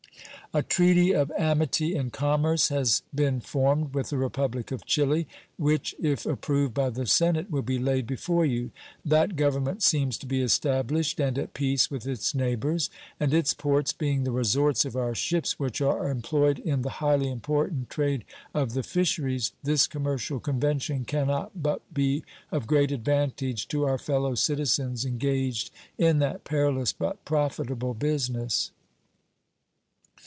A treaty of amity and commerce has been formed with the Republic of Chili, which, if approved by the Senate, will be laid before you. That Government seems to be established, and at peace with its neighbors; and its ports being the resorts of our ships which are employed in the highly important trade of the fisheries, this commercial convention can not but be of great advantage to our fellow citizens engaged in that perilous but profitable business.